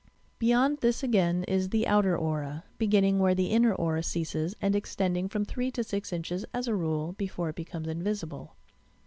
Beyond this again is the "outer aura," beginning where the inner aura ceases, and extending from three to six inches, as a rule, before it becomes invisible.